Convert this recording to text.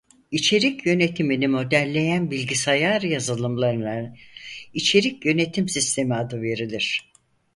İçerik yönetimini modelleyen bilgisayar yazılımlarına İçerik Yönetim Sistemi adı verilir.